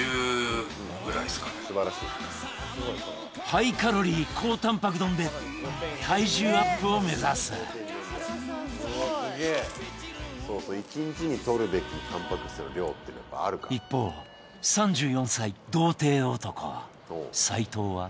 ハイカロリー高タンパク丼で体重アップを目指す一方３４歳童貞男斉藤は？